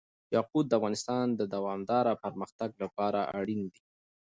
یاقوت د افغانستان د دوامداره پرمختګ لپاره اړین دي.